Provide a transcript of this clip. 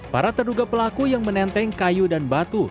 para terduga pelaku yang menenteng kayu dan batu